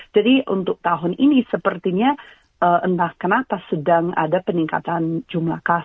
jadi untuk tahun ini sepertinya entah kenapa sedang ada peningkatan jumlah kasus